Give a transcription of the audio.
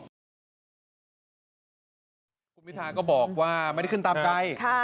คุณพิธาก็บอกว่าไม่ได้ขึ้นตามไกล